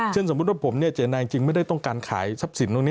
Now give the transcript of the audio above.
สมมุติว่าผมเจตนาจริงไม่ได้ต้องการขายทรัพย์สินตรงนี้